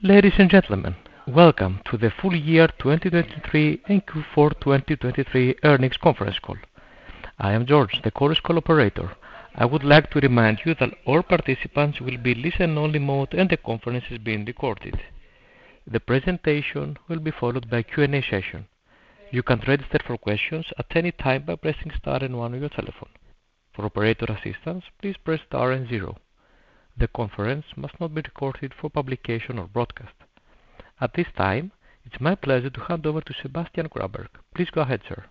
Ladies and gentlemen, welcome to the full-year 2023 and Q4 2023 earnings conference call. I am George, the call operator. I would like to remind you that all participants will be in listen-only mode and the conference is being recorded. The presentation will be followed by Q&A session. You can register for questions at any time by pressing star then one on your telephone. For operator assistance, please press star and zero. The conference must not be recorded for publication or broadcast. At this time, it's my pleasure to hand over to Sebastian Grabert. Please go ahead, sir.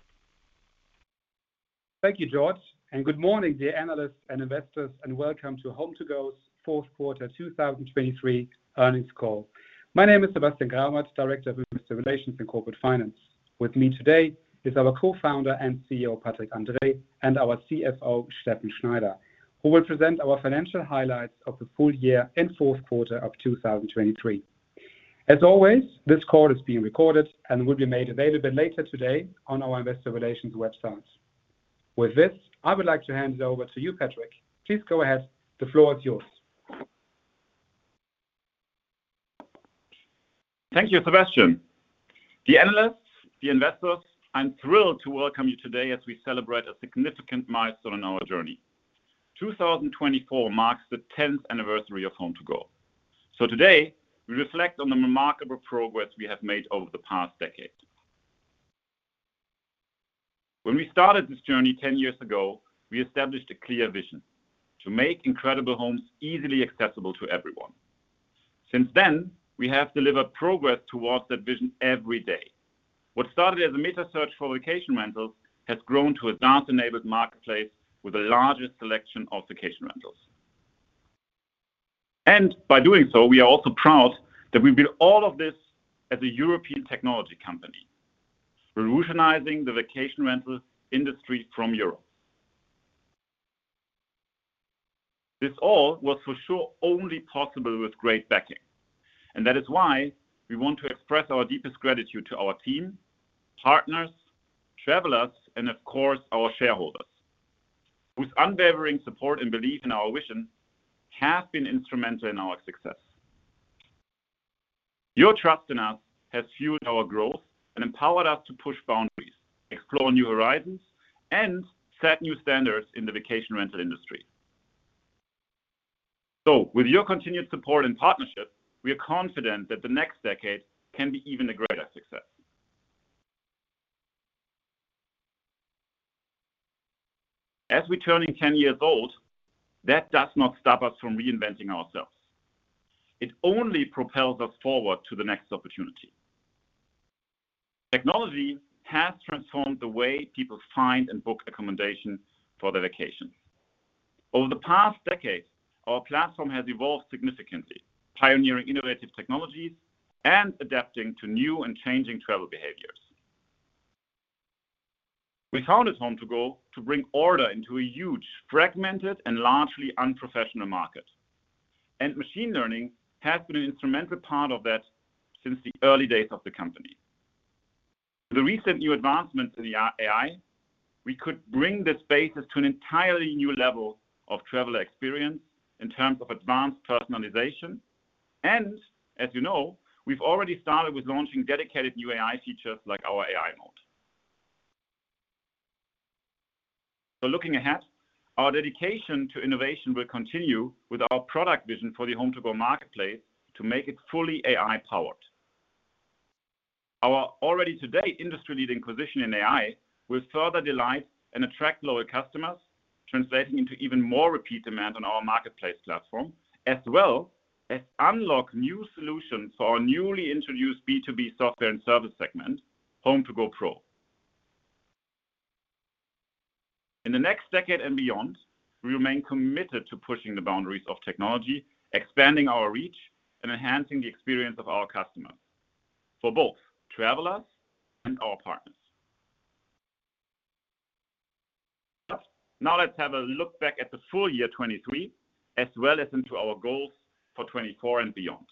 Thank you, George, and good morning, dear analysts and investors, and welcome to HomeToGo's Fourth Quarter 2023 Earnings Call. My name is Sebastian Grabert, Director of Investor Relations and Corporate Finance. With me today is our Co-founder and CEO, Patrick Andrae, and our CFO, Steffen Schneider, who will present our financial highlights of the full year and fourth quarter of 2023. As always, this call is being recorded and will be made available later today on our Investor Relations website. With this, I would like to hand it over to you, Patrick. Please go ahead. The floor is yours. Thank you, Sebastian. Dear analysts, dear investors, I'm thrilled to welcome you today as we celebrate a significant milestone in our journey. 2024 marks the 10th anniversary of HomeToGo. So today, we reflect on the remarkable progress we have made over the past decade. When we started this journey 10 years ago, we established a clear vision: to make incredible homes easily accessible to everyone. Since then, we have delivered progress towards that vision every day. What started as a metasearch for vacation rentals has grown to a DACH-enabled marketplace with a larger selection of vacation rentals. And by doing so, we are also proud that we built all of this as a European technology company, revolutionizing the vacation rental industry from Europe. This all was for sure only possible with great backing. That is why we want to express our deepest gratitude to our team, partners, travelers, and of course, our shareholders, whose unwavering support and belief in our vision have been instrumental in our success. Your trust in us has fueled our growth and empowered us to push boundaries, explore new horizons, and set new standards in the vacation rental industry. With your continued support and partnership, we are confident that the next decade can be even a greater success. As we're turning 10 years old, that does not stop us from reinventing ourselves. It only propels us forward to the next opportunity. Technology has transformed the way people find and book accommodation for their vacations. Over the past decade, our platform has evolved significantly, pioneering innovative technologies and adapting to new and changing travel behaviors. We founded HomeToGo to bring order into a huge, fragmented, and largely unprofessional market. Machine learning has been an instrumental part of that since the early days of the company. With the recent new advancements in AI, we could bring this basis to an entirely new level of traveler experience in terms of advanced personalization. As you know, we've already started with launching dedicated new AI features like our AI Mode. Looking ahead, our dedication to innovation will continue with our product vision for the HomeToGo Marketplace to make it fully AI-powered. Our already today industry-leading position in AI will further delight and attract loyal customers, translating into even more repeat demand on our marketplace platform, as well as unlock new solutions for our newly introduced B2B software and service segment, HomeToGo PRO. In the next decade and beyond, we remain committed to pushing the boundaries of technology, expanding our reach, and enhancing the experience of our customers for both travelers and our partners. Now let's have a look back at the full year 2023 as well as into our goals for 2024 and beyond.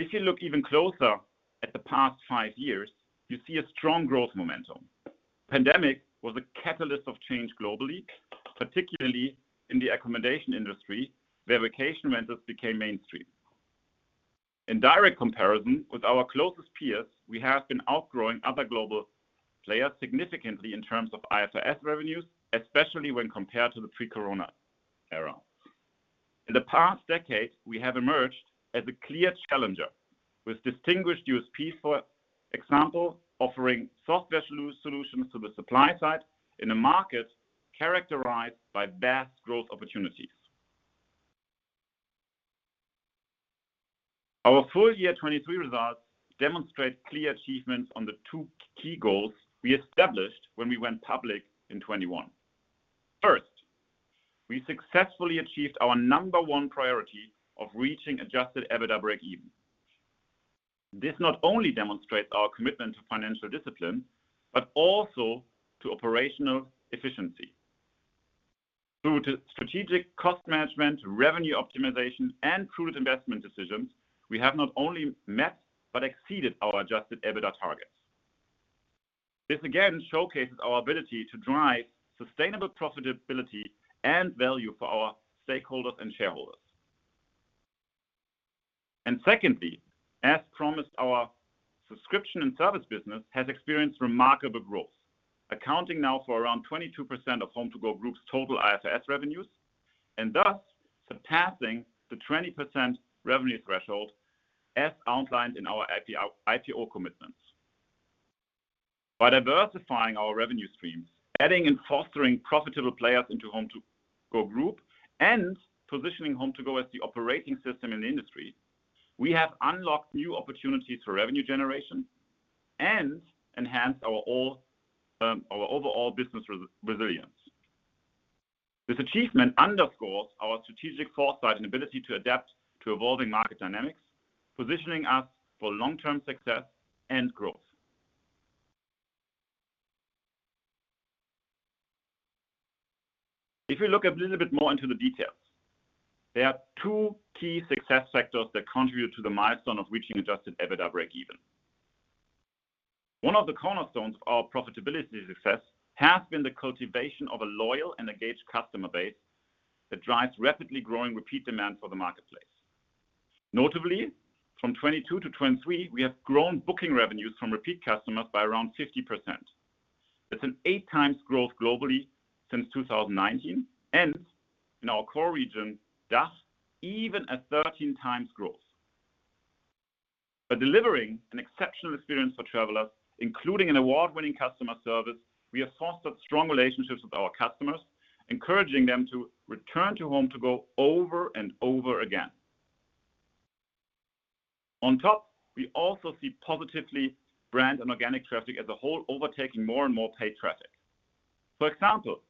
If you look even closer at the past five years, you see a strong growth momentum. The pandemic was a catalyst of change globally, particularly in the accommodation industry where vacation rentals became mainstream. In direct comparison with our closest peers, we have been outgrowing other global players significantly in terms of IFRS revenues, especially when compared to the pre-Corona era. In the past decade, we have emerged as a clear challenger with distinguished USPs, for example, offering software solutions to the supply side in a market characterized by vast growth opportunities. Our full year 2023 results demonstrate clear achievements on the two key goals we established when we went public in 2021. First, we successfully achieved our number one priority of reaching adjusted EBITDA break-even. This not only demonstrates our commitment to financial discipline but also to operational efficiency. Through strategic cost management, revenue optimization, and prudent investment decisions, we have not only met but exceeded our adjusted EBITDA targets. This again showcases our ability to drive sustainable profitability and value for our stakeholders and shareholders. And secondly, as promised, our subscription and service business has experienced remarkable growth, accounting now for around 22% of HomeToGo Group's total IFRS revenues and thus surpassing the 20% revenue threshold as outlined in our IPO commitments. By diversifying our revenue streams, adding and fostering profitable players into HomeToGo Group, and positioning HomeToGo as the operating system in the industry, we have unlocked new opportunities for revenue generation and enhanced our overall business resilience. This achievement underscores our strategic foresight and ability to adapt to evolving market dynamics, positioning us for long-term success and growth. If we look a little bit more into the details, there are two key success factors that contribute to the milestone of reaching adjusted EBITDA break-even. One of the cornerstones of our profitability success has been the cultivation of a loyal and engaged customer base that drives rapidly growing repeat demand for the marketplace. Notably, from 2022 to 2023, we have grown booking revenues from repeat customers by around 50%. That's an eight-times growth globally since 2019 and, in our core region, DACH, even a 13-times growth. By delivering an exceptional experience for travelers, including an award-winning customer service, we have fostered strong relationships with our customers, encouraging them to return to HomeToGo over and over again. On top, we also see positively brand and organic traffic as a whole overtaking more and more paid traffic. For example,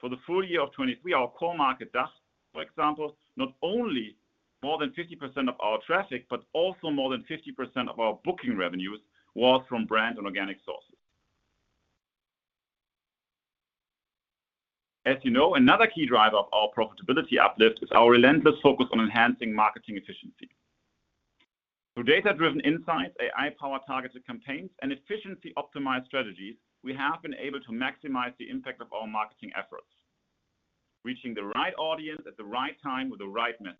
for the full year of 2023, our core market, DACH, for example, not only more than 50% of our traffic but also more than 50% of our booking revenues was from brand and organic sources. As you know, another key driver of our profitability uplift is our relentless focus on enhancing marketing efficiency. Through data-driven insights, AI-powered targeted campaigns, and efficiency-optimized strategies, we have been able to maximize the impact of our marketing efforts, reaching the right audience at the right time with the right message.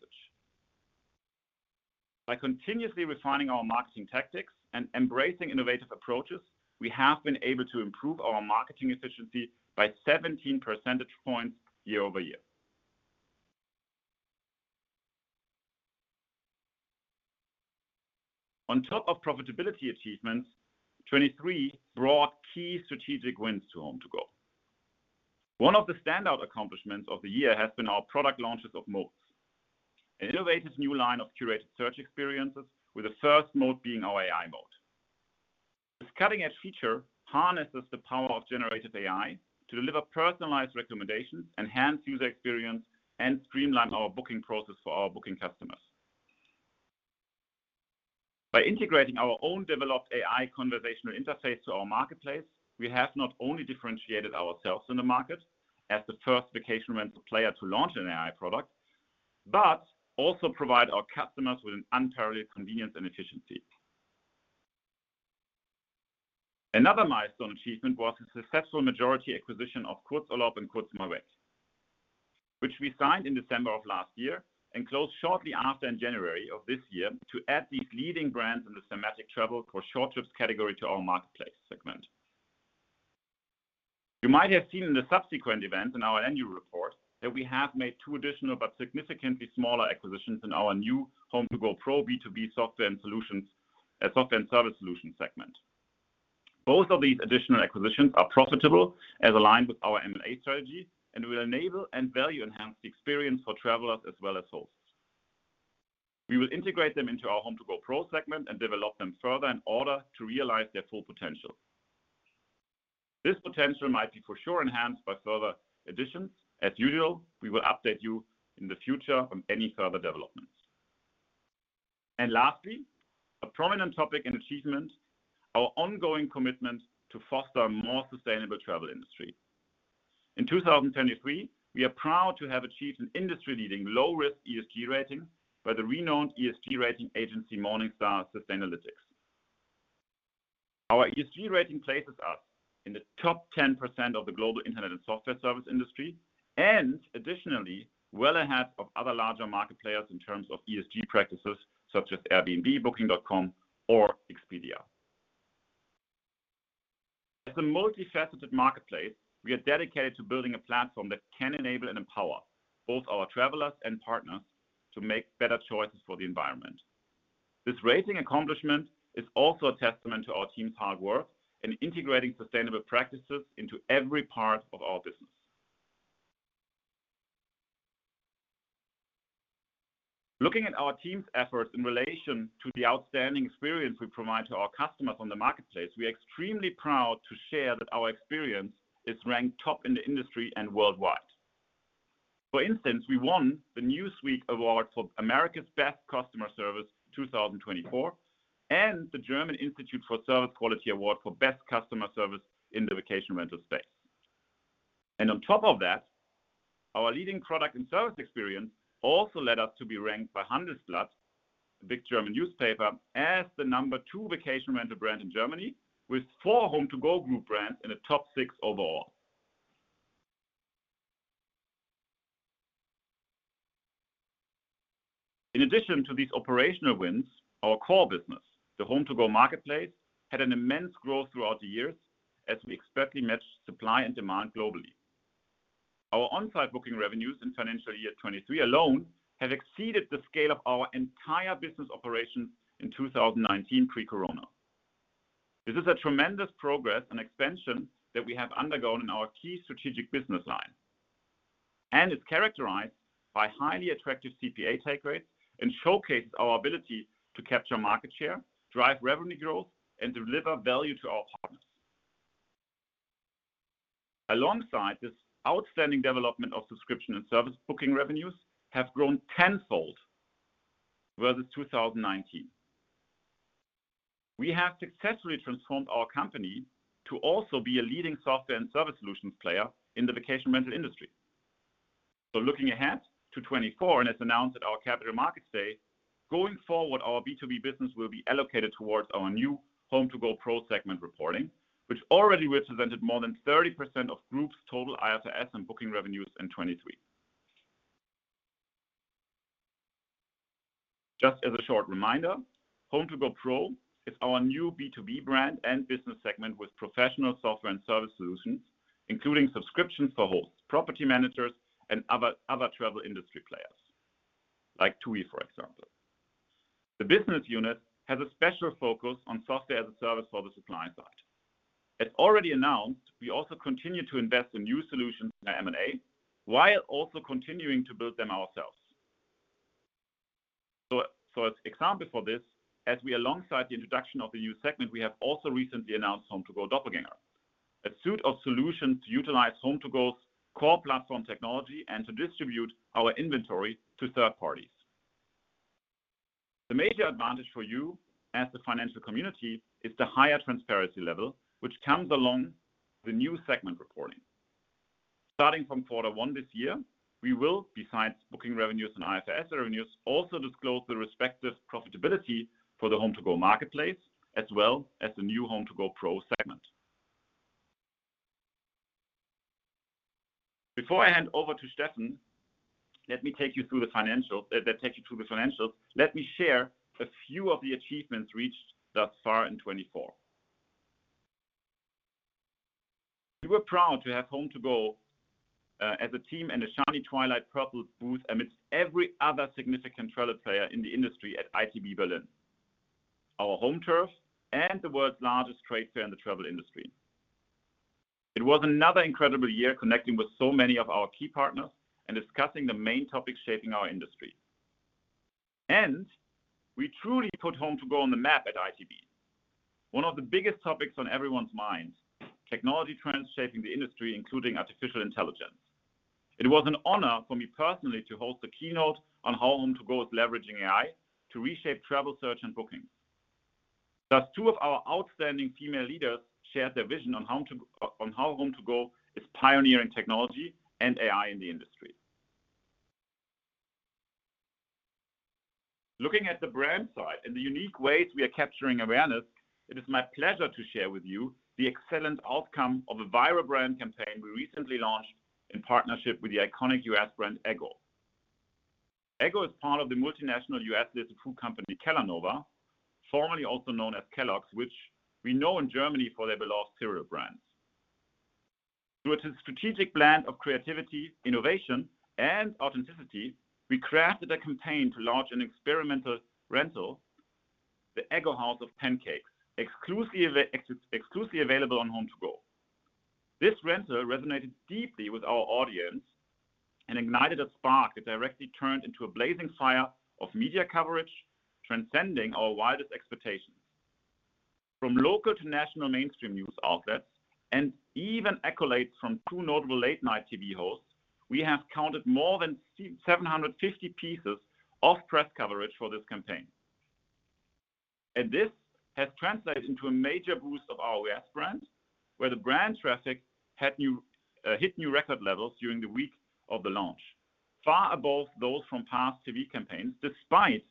By continuously refining our marketing tactics and embracing innovative approaches, we have been able to improve our marketing efficiency by 17 percentage points year-over-year. On top of profitability achievements, 2023 brought key strategic wins to HomeToGo. One of the standout accomplishments of the year has been our product launches of Modes, an innovative new line of curated search experiences, with the first Mode being our AI Mode. This cutting-edge feature harnesses the power of generative AI to deliver personalized recommendations, enhance user experience, and streamline our booking process for our booking customers. By integrating our own developed AI conversational interface to our marketplace, we have not only differentiated ourselves in the market as the first vacation rental player to launch an AI product but also provided our customers with an unparalleled convenience and efficiency. Another milestone achievement was the successful majority acquisition of Kurzurlaub and Kurz Mal Weg, which we signed in December of last year and closed shortly after in January of this year to add these leading brands in the thematic travel for short trips category to our marketplace segment. You might have seen in the subsequent events in our annual report that we have made two additional but significantly smaller acquisitions in our new HomeToGo PRO B2B software and service solutions segment. Both of these additional acquisitions are profitable as aligned with our M&A strategy and will enable and value-enhance the experience for travelers as well as hosts. We will integrate them into our HomeToGo PRO segment and develop them further in order to realize their full potential. This potential might be for sure enhanced by further additions. As usual, we will update you in the future on any further developments. And lastly, a prominent topic and achievement: our ongoing commitment to foster a more sustainable travel industry. In 2023, we are proud to have achieved an industry-leading low-risk ESG rating by the renowned ESG rating agency Morningstar Sustainalytics. Our ESG rating places us in the top 10% of the global internet and software service industry and additionally well ahead of other larger market players in terms of ESG practices such as Airbnb, Booking.com, or Expedia. As a multifaceted marketplace, we are dedicated to building a platform that can enable and empower both our travelers and partners to make better choices for the environment. This rating accomplishment is also a testament to our team's hard work in integrating sustainable practices into every part of our business. Looking at our team's efforts in relation to the outstanding experience we provide to our customers on the marketplace, we are extremely proud to share that our experience is ranked top in the industry and worldwide. For instance, we won the Newsweek Award for America's Best Customer Service 2024 and the German Institute for Service Quality Award for Best Customer Service in the vacation rental space. On top of that, our leading product and service experience also led us to be ranked by Handelsblatt, a big German newspaper, as the number two vacation rental brand in Germany with four HomeToGo Group brands in the top six overall. In addition to these operational wins, our core business, the HomeToGo Marketplace, had an immense growth throughout the years as we expertly matched supply and demand globally. Our onsite booking revenues in financial year 2023 alone have exceeded the scale of our entire business operations in 2019 pre-Corona. This is a tremendous progress and expansion that we have undergone in our key strategic business line. It's characterized by highly attractive CPA take rates and showcases our ability to capture market share, drive revenue growth, and deliver value to our partners. Alongside this outstanding development of subscription and service booking revenues have grown tenfold versus 2019. We have successfully transformed our company to also be a leading software and service solutions player in the vacation rental industry. Looking ahead to 2024 and as announced at our Capital Markets Day, going forward, our B2B business will be allocated towards our new HomeToGo PRO segment reporting, which already represented more than 30% of Group's total IFRS and booking revenues in 2023. Just as a short reminder, HomeToGo PRO is our new B2B brand and business segment with professional software and service solutions, including subscriptions for hosts, property managers, and other travel industry players like TUI, for example. The business unit has a special focus on software as a service for the supply side. As already announced, we also continue to invest in new solutions in our M&A while also continuing to build them ourselves. So as an example for this, as we alongside the introduction of the new segment, we have also recently announced HomeToGo Doppelgänger, a suite of solutions to utilize HomeToGo's core platform technology and to distribute our inventory to third parties. The major advantage for you as the financial community is the higher transparency level, which comes along with the new segment reporting. Starting from quarter one this year, we will, besides booking revenues and IFRS revenues, also disclose the respective profitability for the HomeToGo Marketplace as well as the new HomeToGo PRO segment. Before I hand over to Steffen, let me take you through the financials that take you through the financials. Let me share a few of the achievements reached thus far in 2024. We were proud to have HomeToGo as a team and a shiny Twilight Purple booth amidst every other significant travel player in the industry at ITB Berlin, our home turf, and the world's largest trade fair in the travel industry. It was another incredible year connecting with so many of our key partners and discussing the main topics shaping our industry. We truly put HomeToGo on the map at ITB, one of the biggest topics on everyone's mind, technology trends shaping the industry, including artificial intelligence. It was an honor for me personally to host a keynote on how HomeToGo is leveraging AI to reshape travel search and bookings. Thus, two of our outstanding female leaders shared their vision on how HomeToGo is pioneering technology and AI in the industry. Looking at the brand side and the unique ways we are capturing awareness, it is my pleasure to share with you the excellent outcome of a viral brand campaign we recently launched in partnership with the iconic U.S. brand Eggo. Eggo is part of the multinational U.S.-listed food company Kellanova, formerly also known as Kellogg's, which we know in Germany for their beloved cereal brands. Through its strategic blend of creativity, innovation, and authenticity, we crafted a campaign to launch an experimental rental, the Eggo House of Pancakes, exclusively available on HomeToGo. This rental resonated deeply with our audience and ignited a spark that directly turned into a blazing fire of media coverage, transcending our wildest expectations. From local to national mainstream news outlets and even accolades from two notable late-night TV hosts, we have counted more than 750 pieces of press coverage for this campaign. This has translated into a major boost of our U.S. brand, where the brand traffic hit new record levels during the week of the launch, far above those from past TV campaigns despite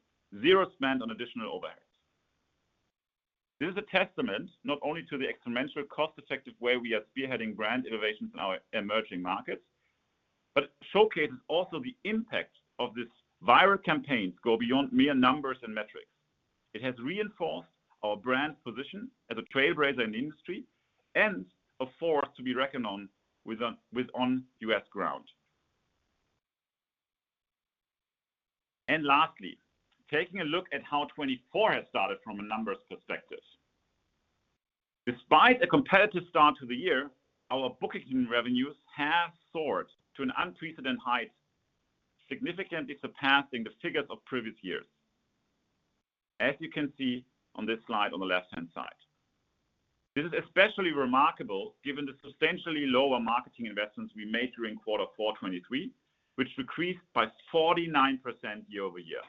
zero spend on additional overheads. This is a testament not only to the exponential cost-effective way we are spearheading brand innovations in our emerging markets but showcases also the impact of this viral campaign to go beyond mere numbers and metrics. It has reinforced our brand position as a trailblazer in the industry and a force to be reckoned with on U.S. ground. And lastly, taking a look at how 2024 has started from a numbers perspective. Despite a competitive start to the year, our booking revenues have soared to an unprecedented height, significantly surpassing the figures of previous years, as you can see on this slide on the left-hand side. This is especially remarkable given the substantially lower marketing investments we made during quarter four 2023, which decreased by 49% year-over-year.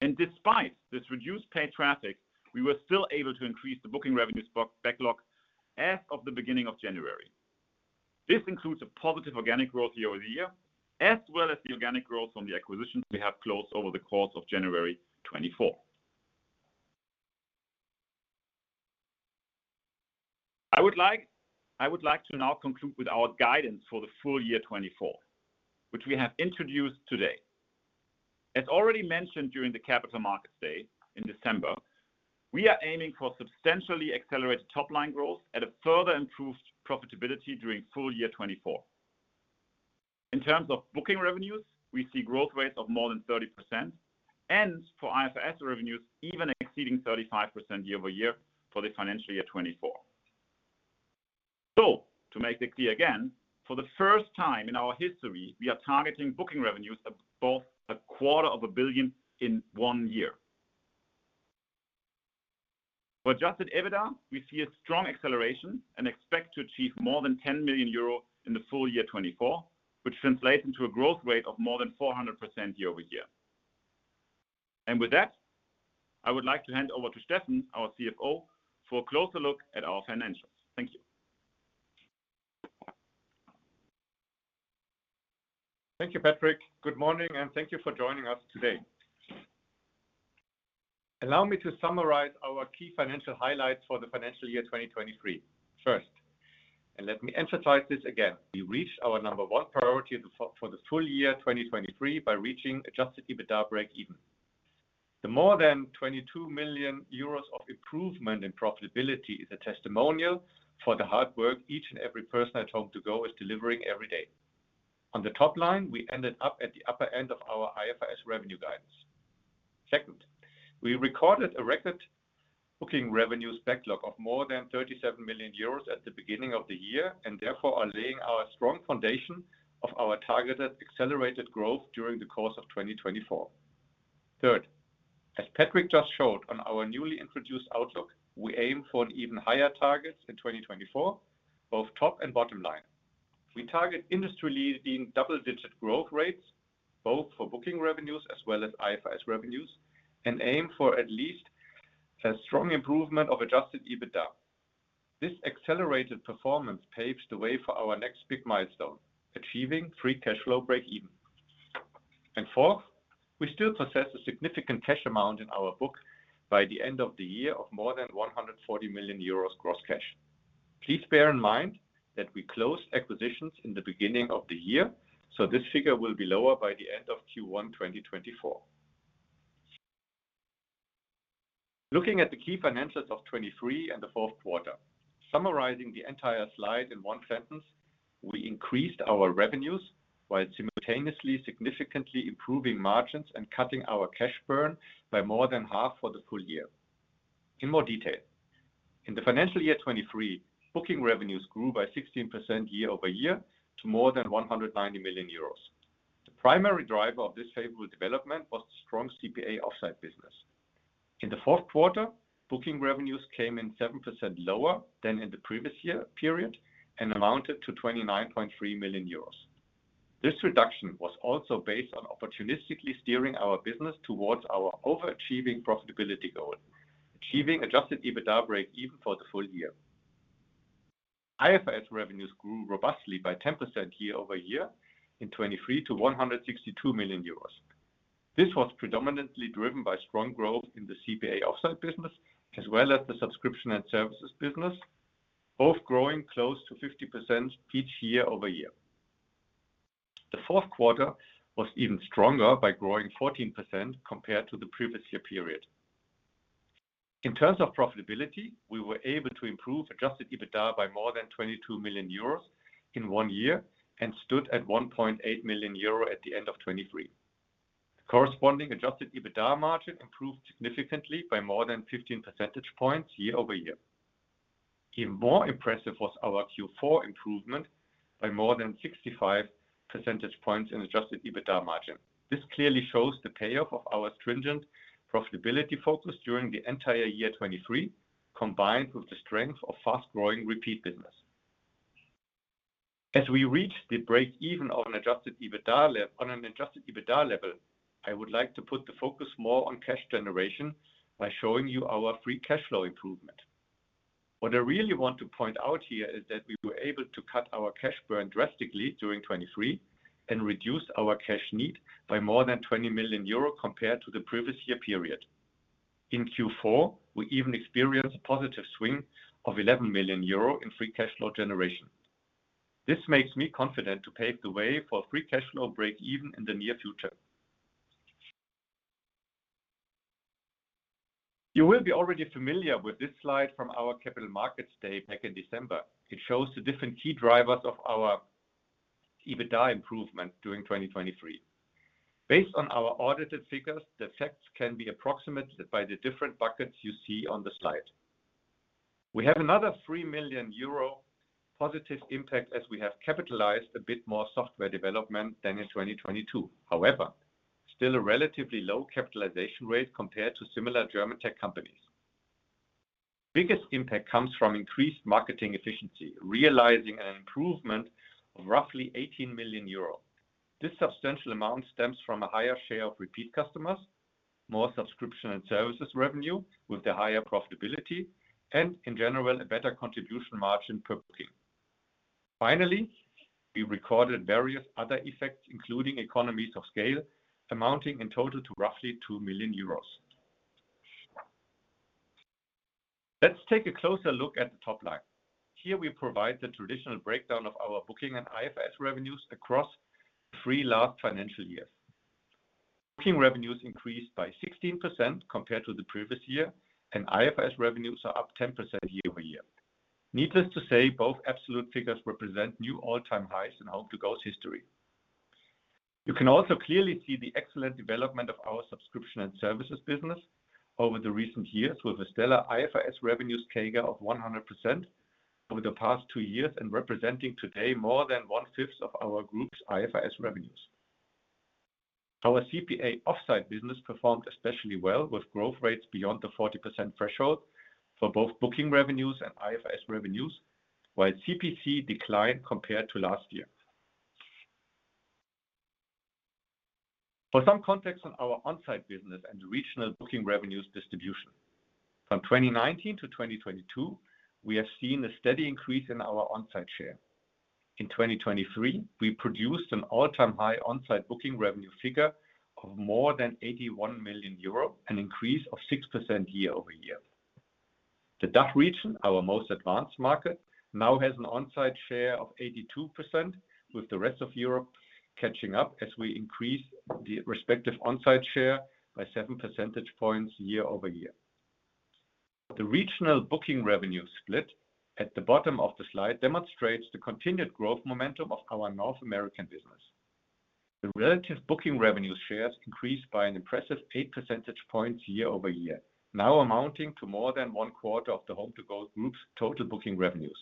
And despite this reduced paid traffic, we were still able to increase the booking revenues backlog as of the beginning of January. This includes a positive organic growth year over the year as well as the organic growth from the acquisitions we have closed over the course of January 2024. I would like to now conclude with our guidance for the full year 2024, which we have introduced today. As already mentioned during the Capital Markets Day in December, we are aiming for substantially accelerated top-line growth at a further improved profitability during full year 2024. In terms of booking revenues, we see growth rates of more than 30% and for IFRS revenues even exceeding 35% year-over-year for the financial year 2024. So to make it clear again, for the first time in our history, we are targeting booking revenues of over 250 million in one year. For adjusted EBITDA, we see a strong acceleration and expect to achieve more than 10 million euro in the full year 2024, which translates into a growth rate of more than 400% year-over-year. And with that, I would like to hand over to Steffen, our CFO, for a closer look at our financials. Thank you. Thank you, Patrick. Good morning, and thank you for joining us today. Allow me to summarize our key financial highlights for the financial year 2023. First, and let me emphasize this again, we reached our number one priority for the full year 2023 by reaching adjusted EBITDA break-even. The more than 22 million euros of improvement in profitability is a testimonial for the hard work each and every person at HomeToGo is delivering every day. On the top line, we ended up at the upper end of our IFRS revenue guidance. Second, we recorded a record booking revenues backlog of more than 37 million euros at the beginning of the year and therefore are laying our strong foundation of our targeted accelerated growth during the course of 2024. Third, as Patrick just showed on our newly introduced outlook, we aim for an even higher targets in 2024, both top and bottom line. We target industry-leading double-digit growth rates both for booking revenues as well as IFRS revenues and aim for at least a strong improvement of adjusted EBITDA. This accelerated performance paves the way for our next big milestone, achieving free cash flow break-even. And fourth, we still possess a significant cash amount in our book by the end of the year of more than 140 million euros gross cash. Please bear in mind that we closed acquisitions in the beginning of the year, so this figure will be lower by the end of Q1 2024. Looking at the key financials of 2023 and the fourth quarter, summarizing the entire slide in one sentence, we increased our revenues while simultaneously significantly improving margins and cutting our cash burn by more than half for the full year. In more detail, in the financial year 2023, booking revenues grew by 16% year-over-year to more than 190 million euros. The primary driver of this favorable development was the strong CPA Onsite business. In the fourth quarter, booking revenues came in 7% lower than in the previous year period and amounted to 29.3 million euros. This reduction was also based on opportunistically steering our business towards our overachieving profitability goal, achieving adjusted EBITDA break-even for the full year. IFRS revenues grew robustly by 10% year-over-year in 2023 to 162 million euros. This was predominantly driven by strong growth in the CPA Offsite business as well as the subscription and services business, both growing close to 50% year-over-year. The fourth quarter was even stronger by growing 14% compared to the previous year period. In terms of profitability, we were able to improve adjusted EBITDA by more than 22 million euros in one year and stood at 1.8 million euro at the end of 2023. The corresponding adjusted EBITDA margin improved significantly by more than 15 percentage points year-over-year. Even more impressive was our Q4 improvement by more than 65 percentage points in adjusted EBITDA margin. This clearly shows the payoff of our stringent profitability focus during the entire year 2023 combined with the strength of fast-growing repeat business. As we reach the break-even on an adjusted EBITDA level, I would like to put the focus more on cash generation by showing you our free cash flow improvement. What I really want to point out here is that we were able to cut our cash burn drastically during 2023 and reduce our cash need by more than 20 million euro compared to the previous year period. In Q4, we even experienced a positive swing of 11 million euro in free cash flow generation. This makes me confident to pave the way for free cash flow break-even in the near future. You will be already familiar with this slide from our Capital Markets Day back in December. It shows the different key drivers of our EBITDA improvement during 2023. Based on our audited figures, the effects can be approximated by the different buckets you see on the slide. We have another 3 million euro positive impact as we have capitalized a bit more software development than in 2022, however, still a relatively low capitalization rate compared to similar German tech companies. Biggest impact comes from increased marketing efficiency, realizing an improvement of roughly 18 million euro. This substantial amount stems from a higher share of repeat customers, more subscription and services revenue with a higher profitability, and in general, a better contribution margin per booking. Finally, we recorded various other effects, including economies of scale amounting in total to roughly 2 million euros. Let's take a closer look at the top line. Here, we provide the traditional breakdown of our booking and IFRS revenues across the three last financial years. Booking revenues increased by 16% compared to the previous year, and IFRS revenues are up 10% year-over-year. Needless to say, both absolute figures represent new all-time highs in HomeToGo's history. You can also clearly see the excellent development of our subscription and services business over the recent years with a stellar IFRS revenues CAGR of 100% over the past two years and representing today more than 1/5 of our group's IFRS revenues. Our CPA Onsite business performed especially well with growth rates beyond the 40% threshold for both booking revenues and IFRS revenues, while CPC declined compared to last year. For some context on our onsite business and regional booking revenues distribution, from 2019 to 2022, we have seen a steady increase in our onsite share. In 2023, we produced an all-time high onsite booking revenue figure of more than 81 million euro, an increase of 6% year-over-year. The DACH region, our most advanced market, now has an onsite share of 82%, with the rest of Europe catching up as we increase the respective onsite share by 7 percentage points year-over-year. The regional booking revenue split at the bottom of the slide demonstrates the continued growth momentum of our North American business. The relative booking revenue shares increased by an impressive 8 percentage points year-over-year, now amounting to more than 1/4 of the HomeToGo Group's total booking revenues.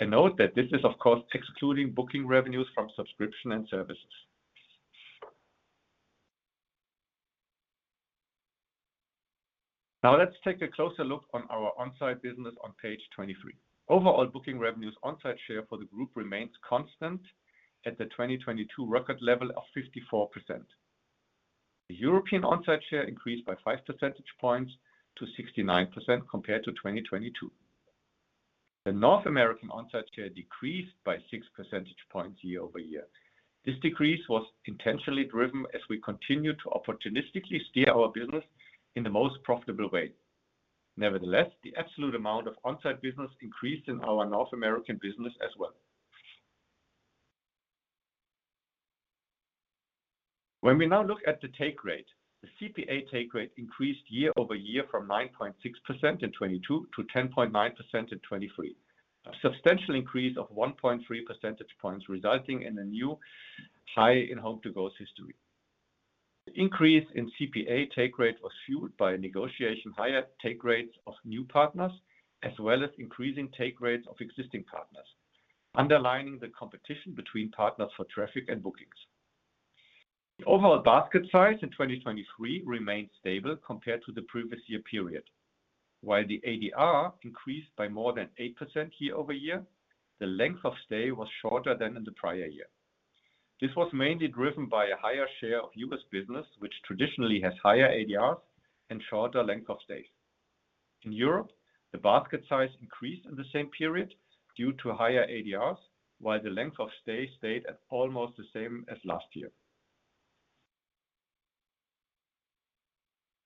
I note that this is, of course, excluding booking revenues from subscription and services. Now, let's take a closer look on our onsite business on page 23. Overall booking revenues onsite share for the group remains constant at the 2022 record level of 54%. The European onsite share increased by 5 percentage points to 69% compared to 2022. The North American onsite share decreased by 6 percentage points year-over-year. This decrease was intentionally driven as we continued to opportunistically steer our business in the most profitable way. Nevertheless, the absolute amount of onsite business increased in our North American business as well. When we now look at the take rate, the CPA take rate increased year-over-year from 9.6% in 2022 to 10.9% in 2023, a substantial increase of 1.3 percentage points resulting in a new high in HomeToGo's history. The increase in CPA take rate was fueled by negotiating higher take rates of new partners as well as increasing take rates of existing partners, underlining the competition between partners for traffic and bookings. The overall basket size in 2023 remained stable compared to the previous year period. While the ADR increased by more than 8% year-over-year, the length of stay was shorter than in the prior year. This was mainly driven by a higher share of U.S. business, which traditionally has higher ADRs and shorter length of stays. In Europe, the basket size increased in the same period due to higher ADRs, while the length of stay stayed at almost the same as last year.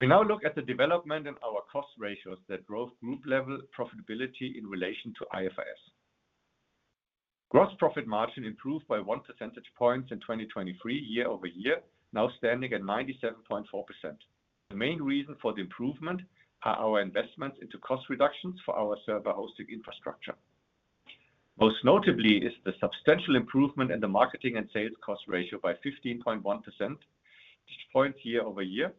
We now look at the development in our cost ratios that drove group-level profitability in relation to IFRS. Gross profit margin improved by 1 percentage point in 2023 year-over-year, now standing at 97.4%. The main reason for the improvement are our investments into cost reductions for our server-hosting infrastructure. Most notably is the substantial improvement in the marketing and sales cost ratio by 15.1%, which points year-over-year,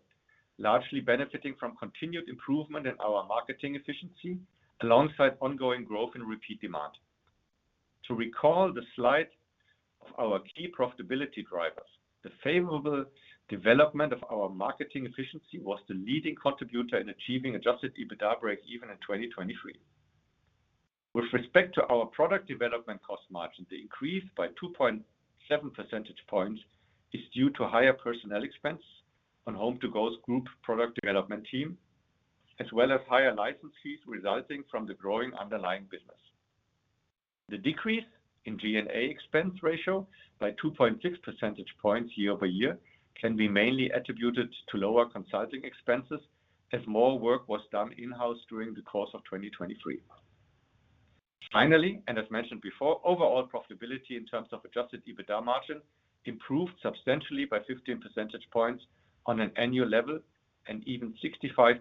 largely benefiting from continued improvement in our marketing efficiency alongside ongoing growth in repeat demand. To recall the slide of our key profitability drivers, the favorable development of our marketing efficiency was the leading contributor in achieving adjusted EBITDA break-even in 2023. With respect to our product development cost margin, the increase by 2.7 percentage points is due to higher personnel expense on HomeToGo's Group Product Development Team as well as higher license fees resulting from the growing underlying business. The decrease in G&A expense ratio by 2.6 percentage points year-over-year can be mainly attributed to lower consulting expenses as more work was done in-house during the course of 2023. Finally, and as mentioned before, overall profitability in terms of adjusted EBITDA margin improved substantially by 15 percentage points on an annual level and even 65.4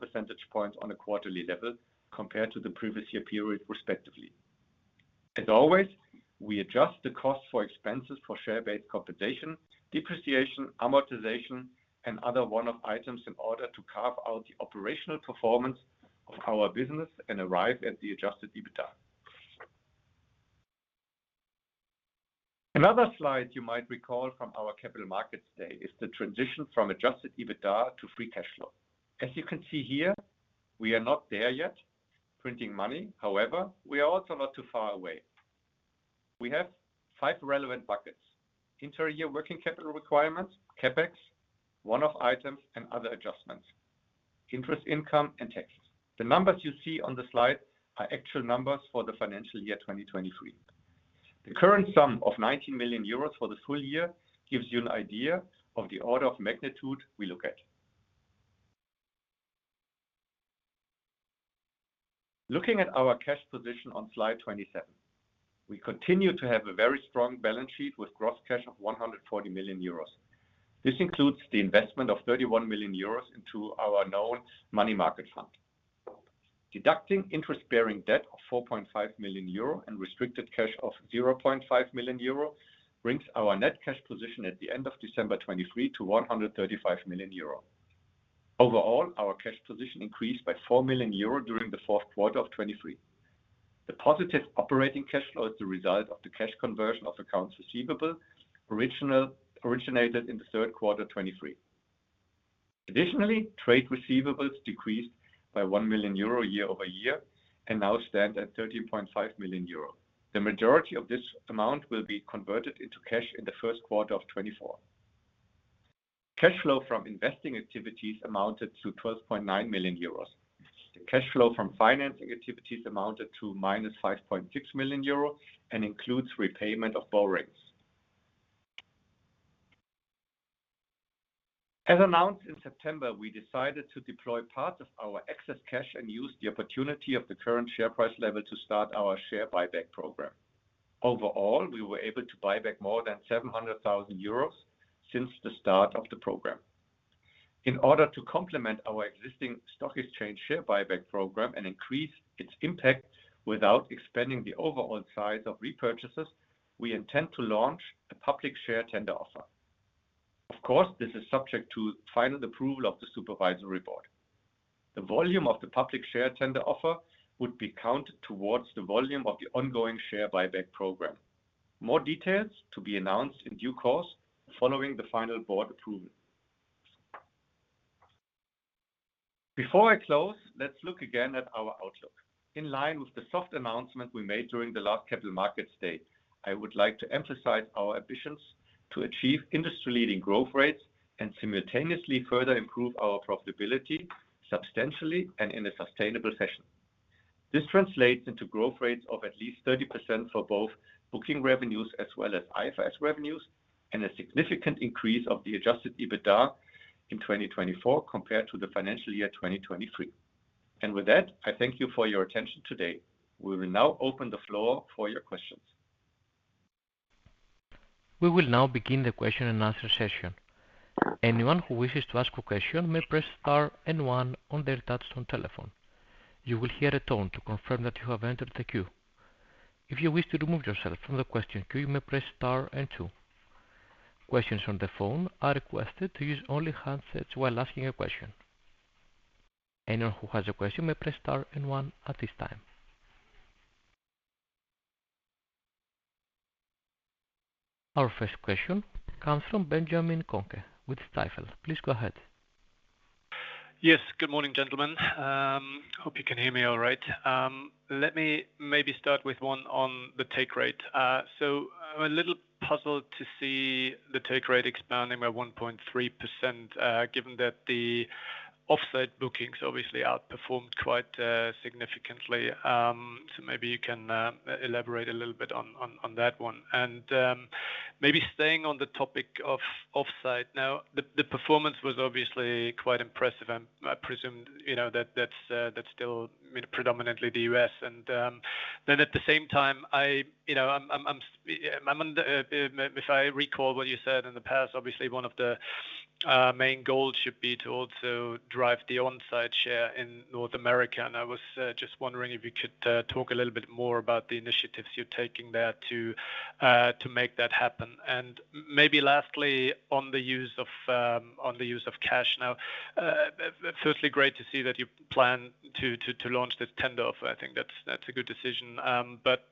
percentage points on a quarterly level compared to the previous year period, respectively. As always, we adjust the cost for expenses for share-based compensation, depreciation, amortization, and other one-off items in order to carve out the operational performance of our business and arrive at the adjusted EBITDA. Another slide you might recall from our Capital Markets Day is the transition from adjusted EBITDA to free cash flow. As you can see here, we are not there yet, printing money. However, we are also not too far away. We have five relevant buckets, interyear working capital requirements, CapEx, one-off items, and other adjustments, interest income, and taxes. The numbers you see on the slide are actual numbers for the financial year 2023. The current sum of 19 million euros for the full year gives you an idea of the order of magnitude we look at. Looking at our cash position on slide 27, we continue to have a very strong balance sheet with gross cash of 140 million euros. This includes the investment of 31 million euros into our known money market fund. Deducting interest-bearing debt of 4.5 million euro and restricted cash of 0.5 million euro brings our net cash position at the end of December 2023 to 135 million euro. Overall, our cash position increased by 4 million euro during the fourth quarter of 2023. The positive operating cash flow is the result of the cash conversion of accounts receivable originated in the third quarter 2023. Additionally, trade receivables decreased by 1 million euro year over year and now stand at 13.5 million euro. The majority of this amount will be converted into cash in the first quarter of 2024. Cash flow from investing activities amounted to 12.9 million euros. The cash flow from financing activities amounted to -5.6 million euro and includes repayment of borrowings. As announced in September, we decided to deploy part of our excess cash and use the opportunity of the current share price level to start our share buyback program. Overall, we were able to buy back more than 700,000 euros since the start of the program. In order to complement our existing stock exchange share buyback program and increase its impact without expanding the overall size of repurchases, we intend to launch a public share tender offer. Of course, this is subject to final approval of the supervisory board. The volume of the public share tender offer would be counted towards the volume of the ongoing share buyback program. More details to be announced in due course following the final board approval. Before I close, let's look again at our outlook. In line with the soft announcement we made during the last Capital Markets Day, I would like to emphasize our ambitions to achieve industry-leading growth rates and simultaneously further improve our profitability substantially and in a sustainable fashion. This translates into growth rates of at least 30% for both booking revenues as well as IFRS revenues and a significant increase of the adjusted EBITDA in 2024 compared to the financial year 2023. And with that, I thank you for your attention today. We will now open the floor for your questions. We will now begin the question-and-answer session. Anyone who wishes to ask a question may press star and one on their Touch-Tone telephone. You will hear a tone to confirm that you have entered the queue. If you wish to remove yourself from the question queue, you may press star and two. Questions on the phone are requested to use only handsets while asking a question. Anyone who has a question may press star and one at this time. Our first question comes from Benjamin Kohnke with Stifel. Please go ahead. Yes. Good morning, gentlemen. Hope you can hear me all right. Let me maybe start with one on the take rate. So I'm a little puzzled to see the take rate expanding by 1.3% given that the offsite bookings, obviously, outperformed quite significantly. So maybe you can elaborate a little bit on that one. Maybe staying on the topic of offsite. Now, the performance was obviously quite impressive. I presume that that's still predominantly the U.S. Then at the same time, I wonder if I recall what you said in the past, obviously, one of the main goals should be to also drive the onsite share in North America. I was just wondering if you could talk a little bit more about the initiatives you're taking there to make that happen. Maybe lastly, on the use of cash now, firstly, great to see that you plan to launch this tender offer. I think that's a good decision. But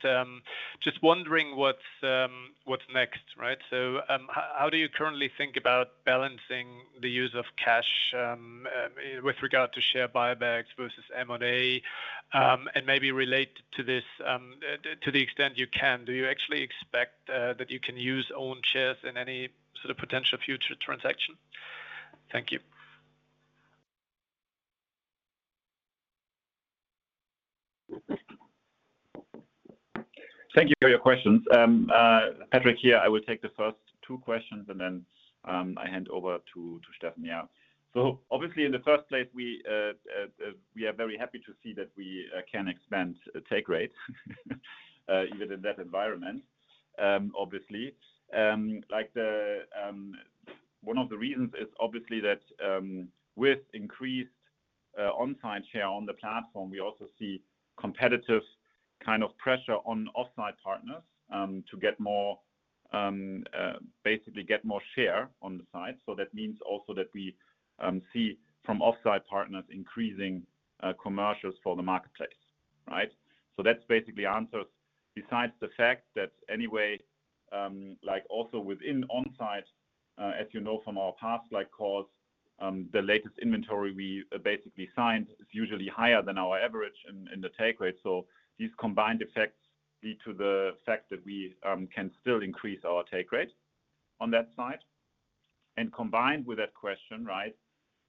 just wondering what's next, right? So how do you currently think about balancing the use of cash with regard to share buybacks versus M&A? And maybe relate to this, to the extent you can, do you actually expect that you can use owned shares in any sort of potential future transaction? Thank you. Thank you for your questions. Patrick here. I will take the first two questions, and then I hand over to Steffen here. So obviously, in the first place, we are very happy to see that we can expand take rates even in that environment, obviously. One of the reasons is obviously that with increased onsite share on the platform, we also see competitive kind of pressure on offsite partners to basically get more share on the site. So that means also that we see from offsite partners increasing commercials for the marketplace, right? So that's basically answers besides the fact that anyway, also within onsite, as you know from our past calls, the latest inventory we basically signed is usually higher than our average in the take rate. So these combined effects lead to the fact that we can still increase our take rate on that side. And combined with that question, right?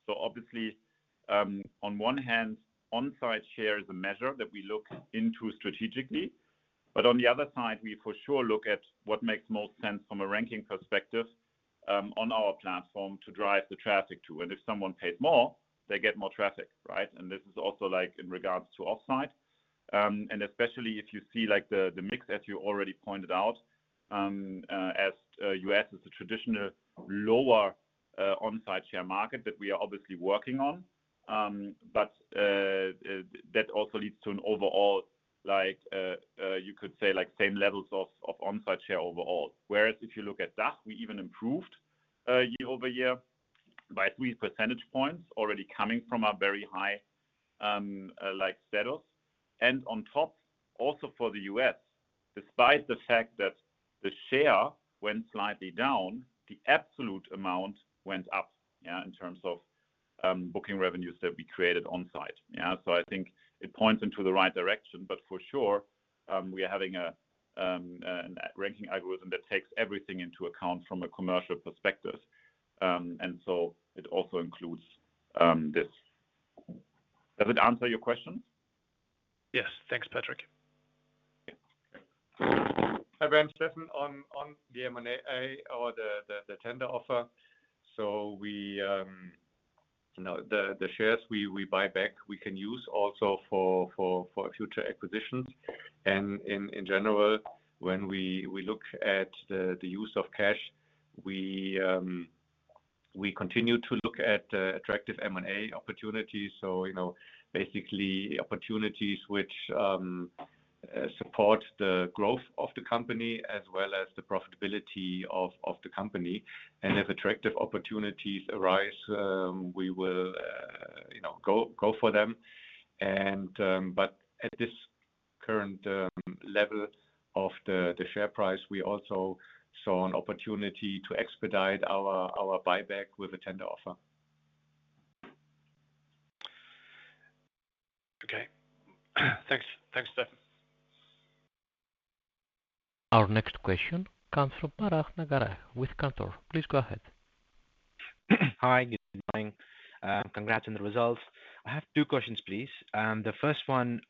So obviously, on one hand, onsite share is a measure that we look into strategically. But on the other side, we for sure look at what makes most sense from a ranking perspective on our platform to drive the traffic to. And if someone pays more, they get more traffic, right? And this is also in regards to offsite. And especially if you see the mix, as you already pointed out, as US is a traditional lower onsite share market that we are obviously working on. But that also leads to an overall, you could say, same levels of onsite share overall. Whereas if you look at DACH, we even improved year-over-year by 3 percentage points already coming from our very high status. On top, also for the U.S., despite the fact that the share went slightly down, the absolute amount went up in terms of booking revenues that we created onsite. So I think it points into the right direction. But for sure, we are having a ranking algorithm that takes everything into account from a commercial perspective. And so it also includes this. Does it answer your questions? Yes. Thanks, Patrick. Hi there, Steffen, on the M&A or the tender offer. So the shares we buy back, we can use also for future acquisitions. And in general, when we look at the use of cash, we continue to look at attractive M&A opportunities. So basically, opportunities which support the growth of the company as well as the profitability of the company. And if attractive opportunities arise, we will go for them. But at this current level of the share price, we also saw an opportunity to expedite our buyback with a tender offer. Okay. Thanks, Steffen. Our next question comes from Bharath Nagaraj with Cantor. Please go ahead. Hi. Good morning. Congrats on the results. I have two questions, please. The first one,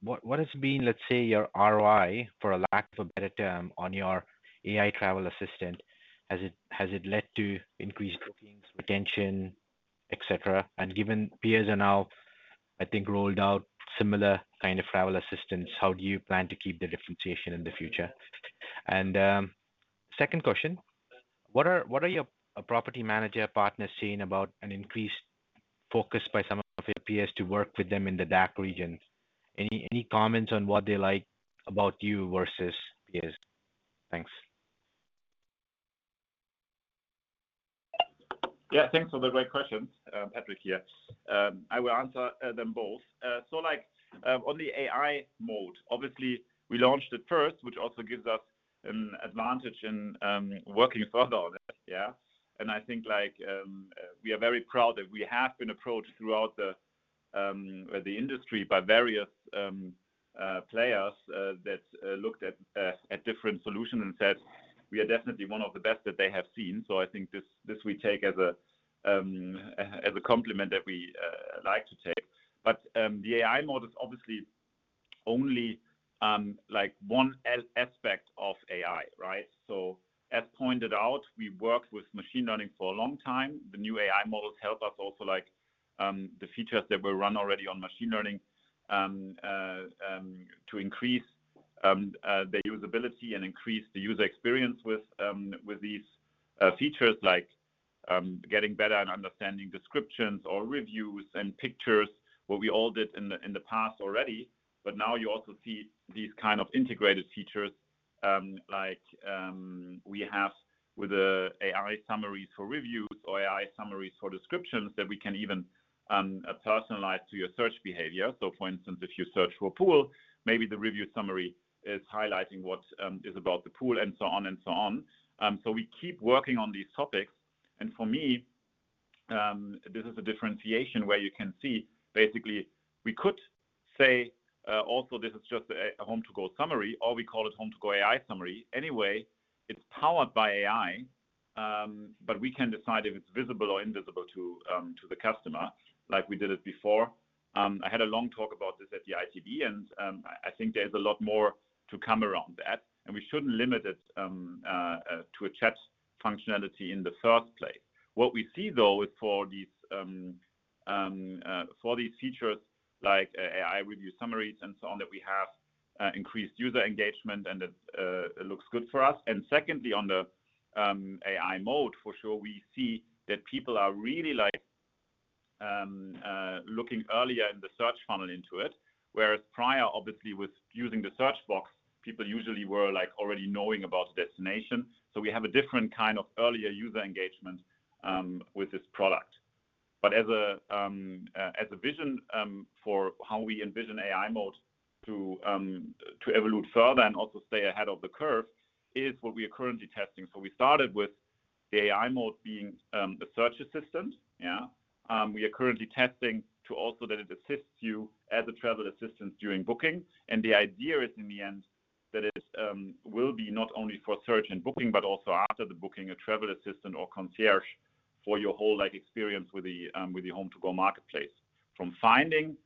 what has been, let's say, your ROI, for a lack of a better term, on your AI travel assistant? Has it led to increased bookings, retention, etc.? And given peers are now, I think, rolled out similar kind of travel assistants, how do you plan to keep the differentiation in the future? And second question, what are your property manager partners seeing about an increased focus by some of your peers to work with them in the DACH region? Any comments on what they like about you versus peers? Thanks. Yeah. Thanks for the great questions. Patrick here. I will answer them both. So on the AI Mode, obviously, we launched it first, which also gives us an advantage in working further on it, yeah? And I think we are very proud that we have been approached throughout the industry by various players that looked at different solutions and said, "We are definitely one of the best that they have seen." So I think this we take as a compliment that we like to take. But the AI Mode is obviously only one aspect of AI, right? So as pointed out, we worked with machine learning for a long time. The new AI models help us also the features that were run already on machine learning to increase their usability and increase the user experience with these features like getting better and understanding descriptions or reviews and pictures, what we all did in the past already. But now you also see these kind of integrated features like we have with the AI summaries for reviews or AI summaries for descriptions that we can even personalize to your search behavior. For instance, if you search for pool, maybe the review summary is highlighting what is about the pool and so on and so on. We keep working on these topics. For me, this is a differentiation where you can see basically, we could say also, this is just a HomeToGo summary, or we call it HomeToGo AI summary. Anyway, it's powered by AI, but we can decide if it's visible or invisible to the customer like we did it before. I had a long talk about this at the ITB, and I think there's a lot more to come around that. We shouldn't limit it to a chat functionality in the first place. What we see, though, is for these features like AI review summaries and so on that we have increased user engagement, and it looks good for us. And secondly, on the AI Mode, for sure, we see that people are really looking earlier in the search funnel into it. Whereas prior, obviously, with using the search box, people usually were already knowing about the destination. So we have a different kind of earlier user engagement with this product. But as a vision for how we envision AI Mode to evolve further and also stay ahead of the curve is what we are currently testing. So we started with the AI Mode being a search assistant, yeah? We are currently testing also that it assists you as a travel assistant during booking. The idea is, in the end, that it will be not only for search and booking, but also after the booking, a travel assistant or concierge for your whole experience with the HomeToGo Marketplace from finding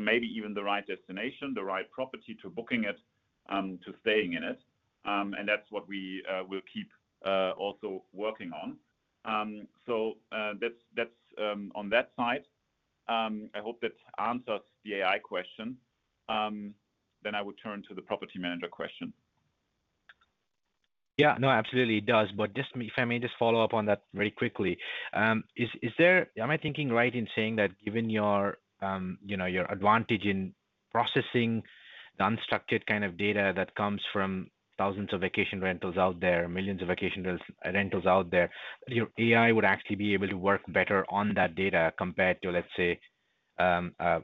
maybe even the right destination, the right property to booking it, to staying in it. That's what we will keep also working on. That's on that side. I hope that answers the AI question. I would turn to the property manager question. Yeah. No, absolutely, it does. But if I may just follow up on that very quickly, am I thinking right in saying that given your advantage in processing the unstructured kind of data that comes from thousands of vacation rentals out there, millions of vacation rentals out there, that your AI would actually be able to work better on that data compared to, let's say, a peer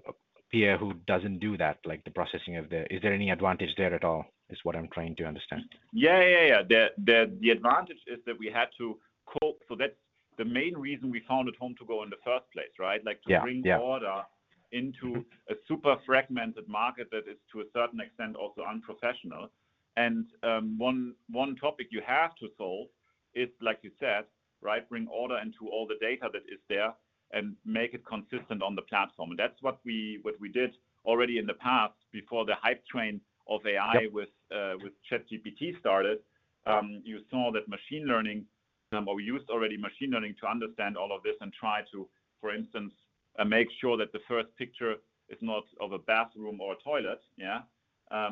who doesn't do that, like the processing of the is there any advantage there at all is what I'm trying to understand? Yeah, yeah, yeah, yeah. The advantage is that we had to so that's the main reason we founded HomeToGo in the first place, right? To bring order into a super fragmented market that is, to a certain extent, also unprofessional. One topic you have to solve is, like you said, right, bring order into all the data that is there and make it consistent on the platform. That's what we did already in the past before the hype train of AI with ChatGPT started. You saw that machine learning or we used already machine learning to understand all of this and try to, for instance, make sure that the first picture is not of a bathroom or a toilet, yeah?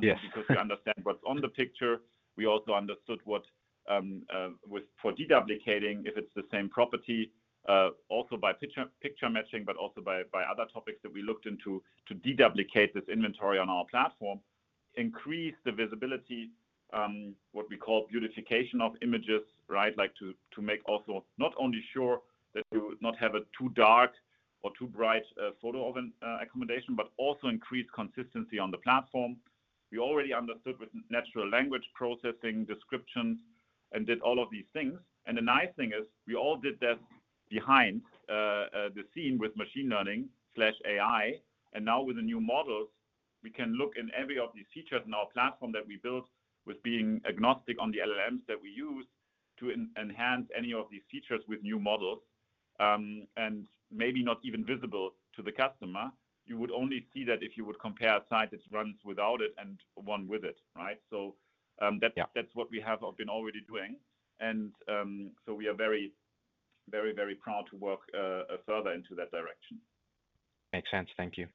Because we understand what's on the picture. We also understood what for deduplicating, if it's the same property, also by picture matching, but also by other topics that we looked into to deduplicate this inventory on our platform, increase the visibility, what we call beautification of images, right? To make also not only sure that you not have a too dark or too bright photo of an accommodation, but also increase consistency on the platform. We already understood with natural language processing, description, and did all of these things. And the nice thing is we all did this behind the scene with machine learning/AI. And now with the new models, we can look in every of these features in our platform that we built with being agnostic on the LLMs that we use to enhance any of these features with new models and maybe not even visible to the customer. You would only see that if you would compare a site that runs without it and one with it, right? So that's what we have been already doing. And so we are very, very, very proud to work further into that direction. Makes sense. Thank you.